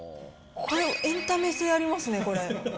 これ、エンタメ性ありますね、これ。